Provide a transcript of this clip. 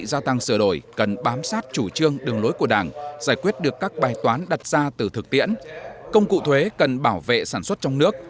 gia tăng sửa đổi cần bám sát chủ trương đường lối của đảng giải quyết được các bài toán đặt ra từ thực tiễn công cụ thuế cần bảo vệ sản xuất trong nước